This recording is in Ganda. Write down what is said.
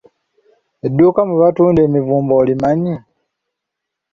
Edduuka mwe batunda emivumba olimanyi?